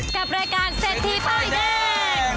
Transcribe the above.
กับรายการเซ็ทที่ปลายแดง